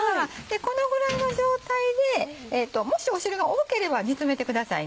このぐらいの状態でもし汁が多ければ煮詰めてください。